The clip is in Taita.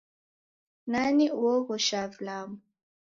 Nani uoghoshaa vilambo?